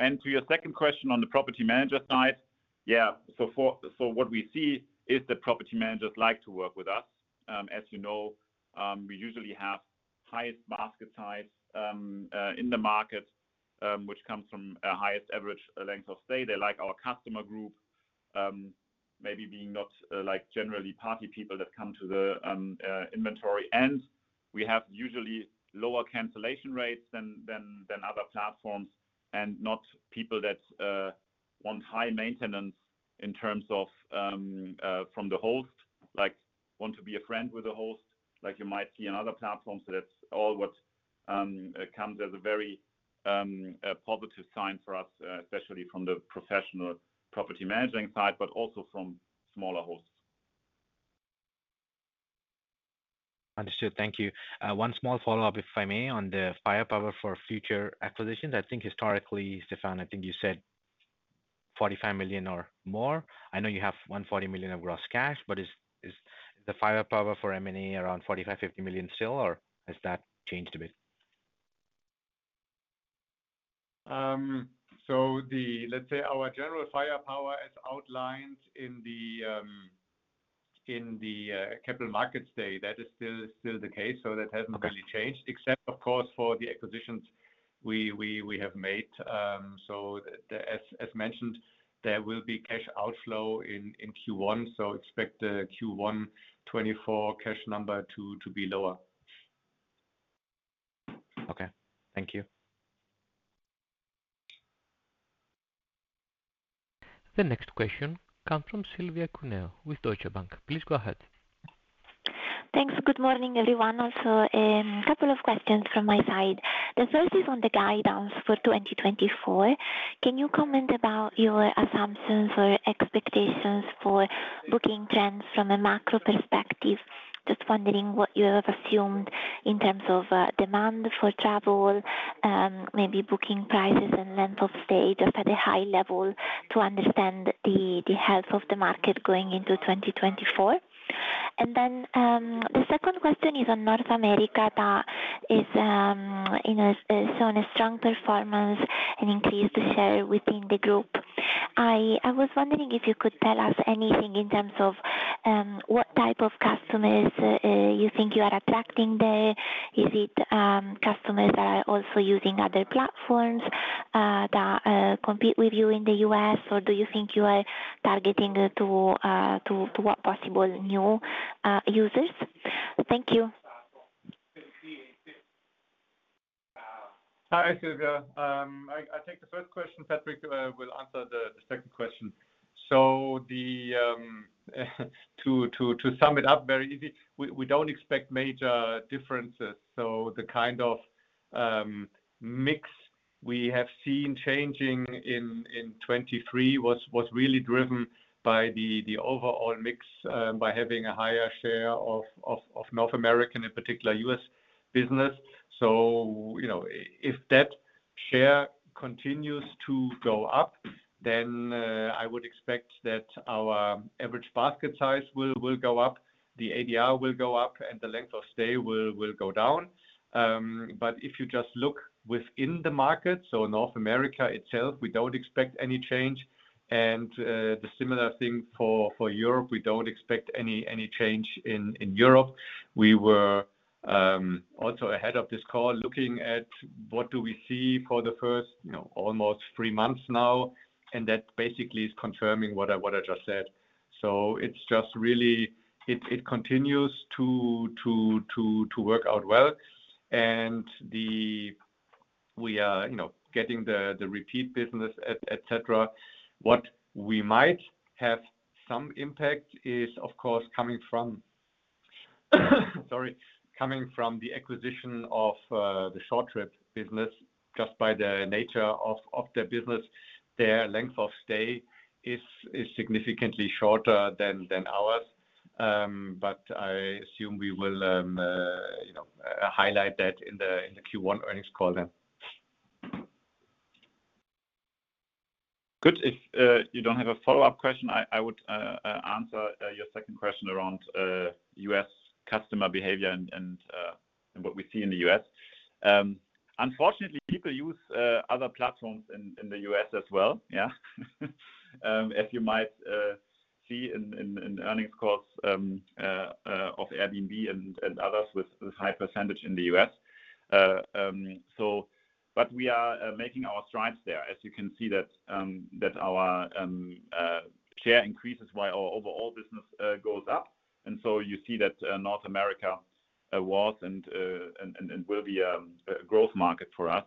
To your second question on the property manager side, yeah, so what we see is that property managers like to work with us. As you know, we usually have highest basket size in the market, which comes from highest average length of stay. They like our customer group, maybe being not generally party people that come to the inventory. And we have usually lower cancellation rates than other platforms and not people that want high maintenance in terms of from the host, like want to be a friend with the host, like you might see on other platforms. So that's all what comes as a very positive sign for us, especially from the professional property managing side, but also from smaller hosts. Understood. Thank you. One small follow-up, if I may, on the firepower for future acquisitions. I think historically, Steffen, I think you said 45 million or more. I know you have 140 million of gross cash, but is the firepower for M&A around 45 million- 50 million still, or has that changed a bit? So let's say our general firepower is outlined in the Capital Markets Day. That is still the case. So that hasn't really changed, except, of course, for the acquisitions we have made. So as mentioned, there will be cash outflow in Q1. So expect the Q1 2024 cash number to be lower. Okay. Thank you. The next question comes from Silvia Cuneo with Deutsche Bank. Please go ahead. Thanks. Good morning, everyone. Also, a couple of questions from my side. The first is on the guidance for 2024. Can you comment about your assumptions or expectations for booking trends from a macro perspective? Just wondering what you have assumed in terms of demand for travel, maybe booking prices and length of stay just at a high level to understand the health of the market going into 2024? And then the second question is on North America that has shown a strong performance and increased the share within the group. I was wondering if you could tell us anything in terms of what type of customers you think you are attracting there. Is it customers that are also using other platforms that compete with you in the U.S., or do you think you are targeting to what possible new users? Thank you. Hi, Silvia. I take the first question. Patrick will answer the second question. So to sum it up very easy, we don't expect major differences. So the kind of mix we have seen changing in 2023 was really driven by the overall mix, by having a higher share of North America, in particular, U.S. business. So if that share continues to go up, then I would expect that our average basket size will go up, the ADR will go up, and the length of stay will go down. But if you just look within the market, so North America itself, we don't expect any change. And the similar thing for Europe, we don't expect any change in Europe. We were also ahead of this call looking at what do we see for the first almost three months now. And that basically is confirming what I just said. So it's just really it continues to work out well. And we are getting the repeat business, etc. What we might have some impact is, of course, coming from, sorry, coming from the acquisition of the short trip business. Just by the nature of their business, their length of stay is significantly shorter than ours. But I assume we will highlight that in the Q1 earnings call then. Good. If you don't have a follow-up question, I would answer your second question around U.S. customer behavior and what we see in the U.S. Unfortunately, people use other platforms in the U.S. as well, yeah, as you might see in earnings calls of Airbnb and others with high percentage in the U.S. But we are making our strides there. As you can see, that our share increases while our overall business goes up. And so you see that North America was and will be a growth market for us.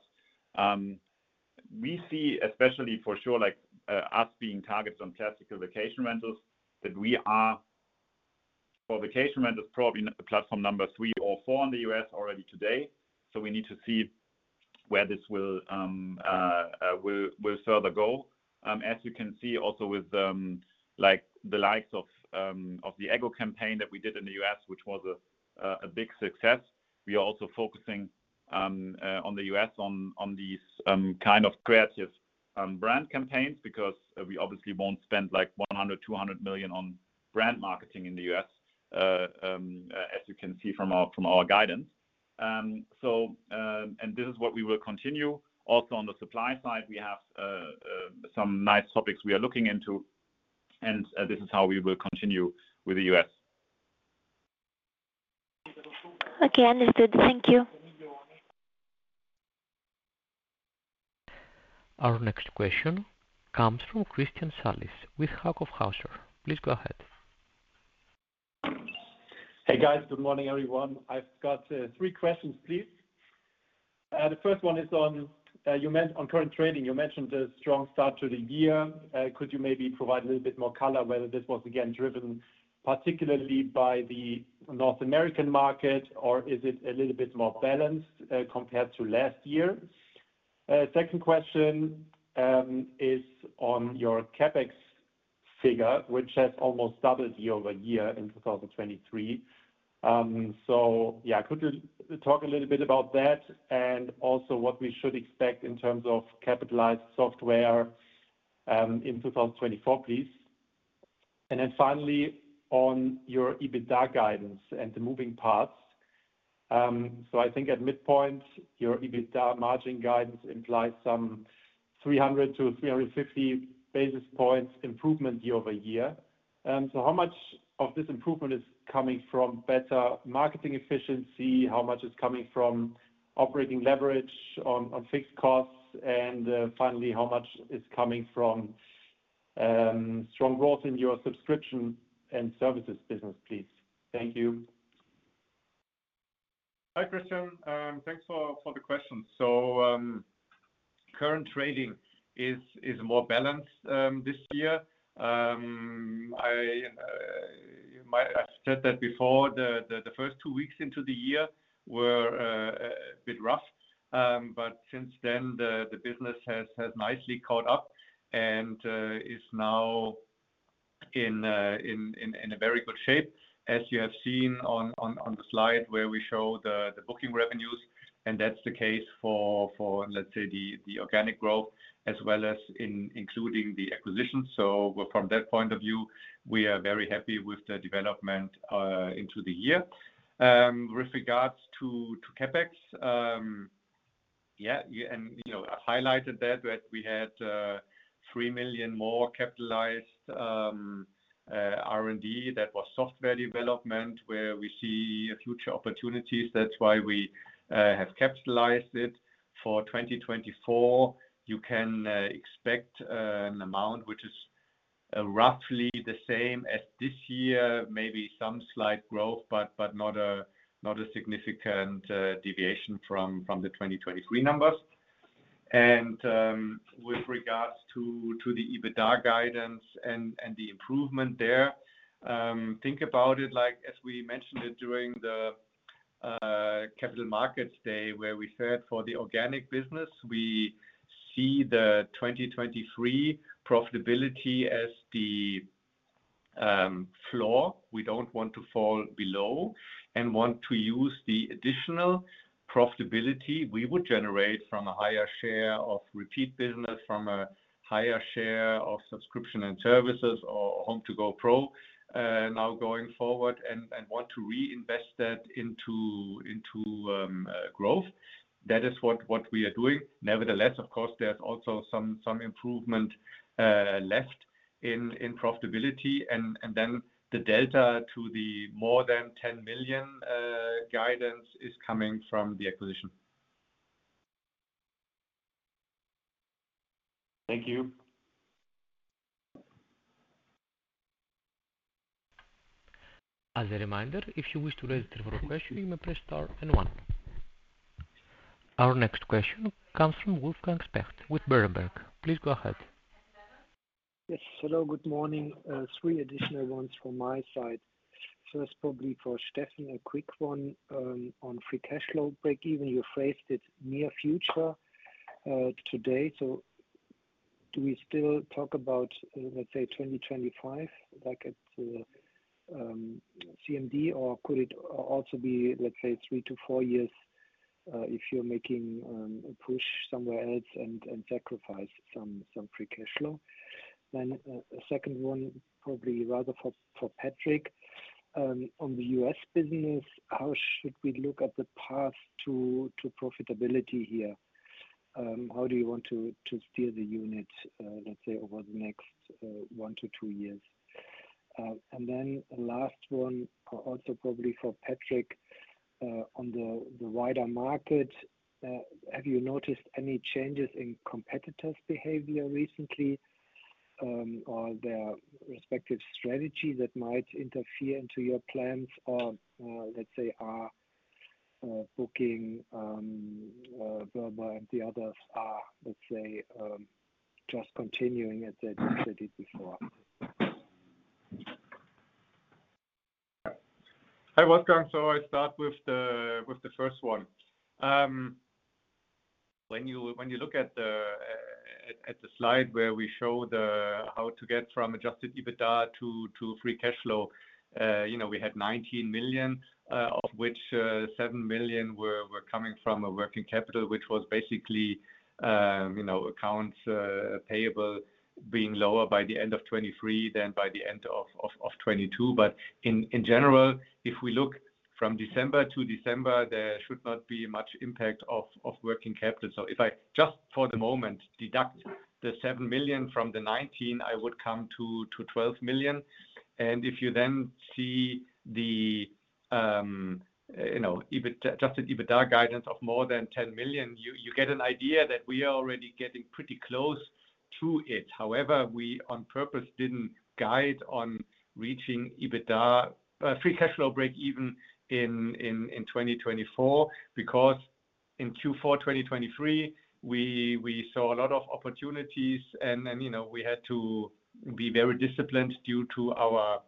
We see, especially for sure, us being targeted on classical vacation rentals, that we are for vacation rentals, probably platform number three or four in the U.S. already today. So we need to see where this will further go. As you can see, also with the likes of the Eggo campaign that we did in the U.S., which was a big success, we are also focusing on the U.S. on these kind of creative brand campaigns because we obviously won't spend $100 million, $200 million on brand marketing in the U.S., as you can see from our guidance. And this is what we will continue. Also on the supply side, we have some nice topics we are looking into. And this is how we will continue with the U.S. Okay. Understood. Thank you. Our next question comes from Christian Salis with Hauck & Aufhäuser. Please go ahead. Hey, guys. Good morning, everyone. I've got three questions, please. The first one is on current trading. You mentioned a strong start to the year. Could you maybe provide a little bit more color whether this was, again, driven particularly by the North American market, or is it a little bit more balanced compared to last year? Second question is on your CapEx figure, which has almost doubled year-over-year in 2023. So yeah, could you talk a little bit about that and also what we should expect in terms of capitalized software in 2024, please? And then finally, on your EBITDA guidance and the moving parts. So I think at midpoint, your EBITDA margin guidance implies some 300-350 basis points improvement year-over-year. So how much of this improvement is coming from better marketing efficiency? How much is coming from operating leverage on fixed costs? And finally, how much is coming from strong growth in your subscription and services business, please? Thank you. Hi, Christian. Thanks for the questions. So current trading is more balanced this year. I've said that before. The first two weeks into the year were a bit rough. But since then, the business has nicely caught up and is now in a very good shape, as you have seen on the slide where we show the booking revenues. And that's the case for, let's say, the organic growth as well as including the acquisitions. So from that point of view, we are very happy with the development into the year. With regards to CapEx, yeah, and I've highlighted that we had 3 million more capitalized R&D. That was software development where we see future opportunities. That's why we have capitalized it. For 2024, you can expect an amount which is roughly the same as this year, maybe some slight growth, but not a significant deviation from the 2023 numbers. With regards to the EBITDA guidance and the improvement there, think about it as we mentioned it during the Capital Markets Day where we said for the organic business, we see the 2023 profitability as the floor. We don't want to fall below and want to use the additional profitability we would generate from a higher share of repeat business, from a higher share of subscription and services or HomeToGo PRO now going forward, and want to reinvest that into growth. That is what we are doing. Nevertheless, of course, there's also some improvement left in profitability. Then the delta to the more than 10 million guidance is coming from the acquisition. Thank you. As a reminder, if you wish to register for a question, you may press star and one. Our next question comes from Wolfgang Specht with Berenberg. Please go ahead. Yes. Hello. Good morning. Three additional ones from my side. First, probably for Steffen, a quick one on free cash flow breakeven. You phrased it near future today. So do we still talk about, let's say, 2025 at CMD, or could it also be, let's say, three to four years if you're making a push somewhere else and sacrifice some free cash flow? Then a second one, probably rather for Patrick, on the U.S. business, how should we look at the path to profitability here? How do you want to steer the unit, let's say, over the next one to two years? And then the last one, also probably for Patrick, on the wider market, have you noticed any changes in competitors' behavior recently or their respective strategy that might interfere into your plans or, let's say, are Booking.com, Airbnb and the others are, let's say, just continuing as they did before? Hi, Wolfgang. So I start with the first one. When you look at the slide where we show how to get from adjusted EBITDA to free cash flow, we had 19 million, of which 7 million were coming from a working capital, which was basically accounts payable being lower by the end of 2023 than by the end of 2022. But in general, if we look from December to December, there should not be much impact of working capital. So if I just, for the moment, deduct the 7 million from the 19 million, I would come to 12 million. If you then see the adjusted EBITDA guidance of more than 10 million, you get an idea that we are already getting pretty close to it. However, we on purpose didn't guide on reaching free cash flow breakeven in 2024 because in Q4 2023, we saw a lot of opportunities, and we had to be very disciplined due to our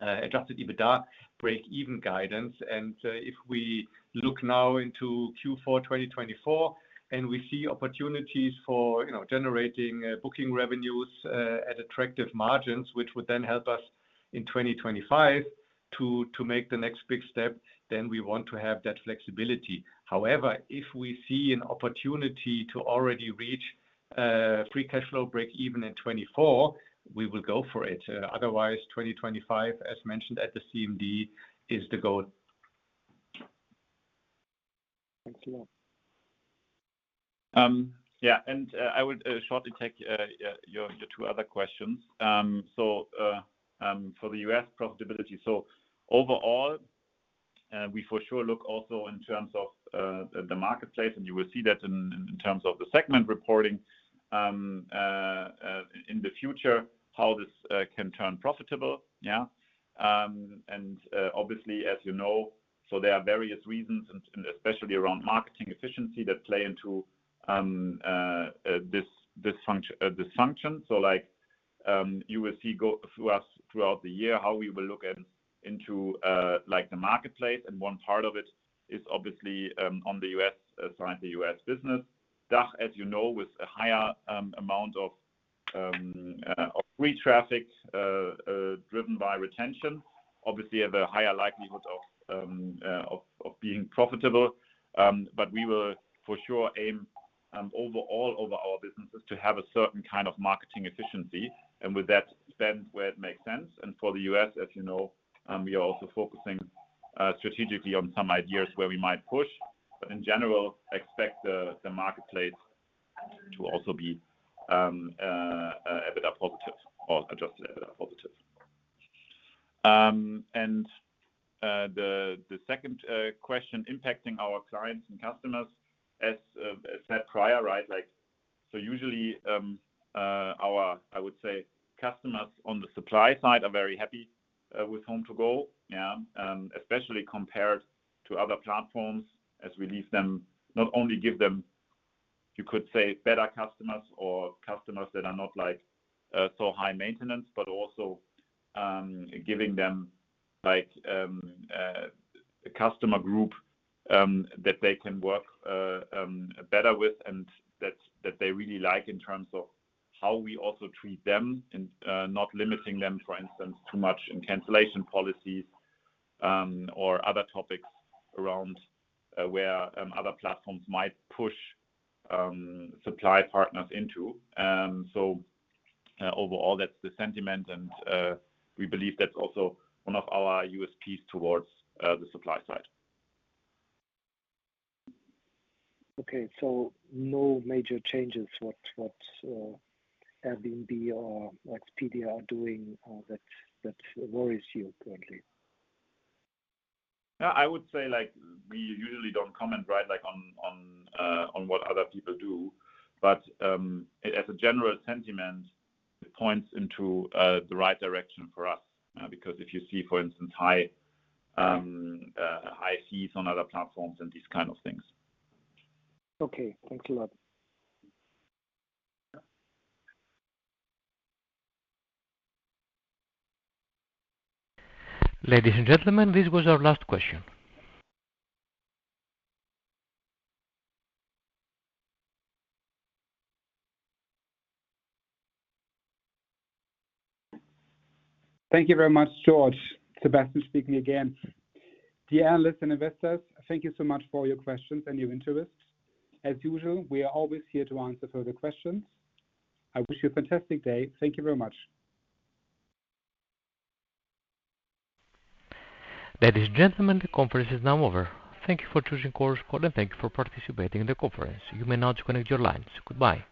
adjusted EBITDA breakeven guidance. And if we look now into Q4 2024 and we see opportunities for generating booking revenues at attractive margins, which would then help us in 2025 to make the next big step, then we want to have that flexibility. However, if we see an opportunity to already reach free cash flow breakeven in 2024, we will go for it. Otherwise, 2025, as mentioned at the CMD, is the goal. Thank you. Yeah. And I would shortly take your two other questions. So, for the U.S. profitability, so overall, we for sure look also in terms of the marketplace, and you will see that in terms of the segment reporting in the future how this can turn profitable, yeah? Obviously, as you know, so there are various reasons, especially around marketing efficiency, that play into this function. So you will see throughout the year how we will look into the marketplace. And one part of it is obviously on the U.S. side, the U.S. business. DACH, as you know, with a higher amount of free traffic driven by retention, obviously have a higher likelihood of being profitable. But we will for sure aim overall over our businesses to have a certain kind of marketing efficiency and with that spend where it makes sense. And for the U.S., as you know, we are also focusing strategically on some ideas where we might push. But in general, expect the marketplace to also be EBITDA positive or adjusted EBITDA positive. And the second question, impacting our clients and customers, as said prior, right? So usually, I would say customers on the supply side are very happy with HomeToGo, yeah, especially compared to other platforms as we not only give them, you could say, better customers or customers that are not so high maintenance, but also giving them a customer group that they can work better with and that they really like in terms of how we also treat them and not limiting them, for instance, too much in cancellation policies or other topics around where other platforms might push supply partners into. So overall, that's the sentiment. We believe that's also one of our USPs towards the supply side. Okay. So no major changes what Airbnb or Expedia are doing that worries you currently? Yeah. I would say we usually don't comment, right, on what other people do. But as a general sentiment, it points into the right direction for us because if you see, for instance, high fees on other platforms and these kind of things. Okay. Thanks a lot. Ladies and gentlemen, this was our last question. Thank you very much, George. Sebastian speaking again. Dear analysts and investors, thank you so much for your questions and your interest. As usual, we are always here to answer further questions. I wish you a fantastic day. Thank you very much. Ladies and gentlemen, the conference is now over. Thank you for choosing Chorus Call, and thank you for participating in the conference. You may now disconnect your lines. Goodbye.